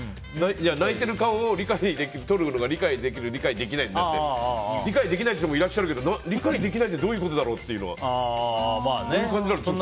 泣いてる顔も撮ることが理解できる理解できないなんて理解できない人もいらっしゃるけど理解できないっていうのはどういう感じだろう。